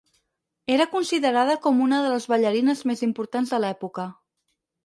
Era considerada com una de les ballarines més importants de l'època.